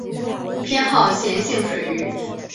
偏好咸性水域。